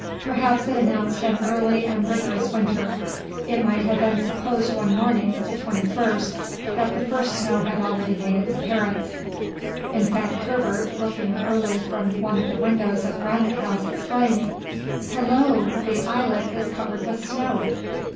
Perhaps it announced an early and rigorous winter. It might have been supposed one morning the 21st that the first snow had already made its appearance. In fact Herbert, looking early from one of the windows of Granite House, exclaimed, "Hallo! the islet is covered with snow!"